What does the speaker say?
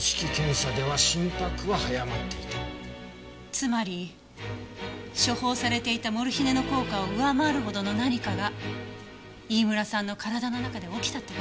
つまり処方されていたモルヒネの効果を上回るほどの何かが飯村さんの体の中で起きたって事です。